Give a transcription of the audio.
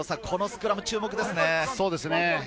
このスクラム、注目ですね。